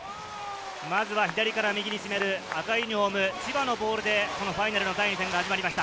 まずは左から右に攻める赤ユニホーム、千葉のボールでこのファイナルの第２戦が始まりました。